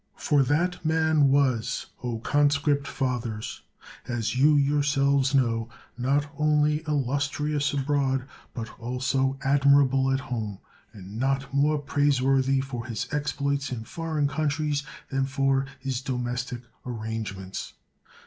For that man was, O con script fathers, as you yourselves know, not only illustrious abroad, but also admirable at home; and not more praiseworthy for his exploits in foreign countries, than for his domestic arrange ments.